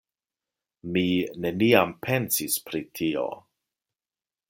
Mi neniam pensis pri tio.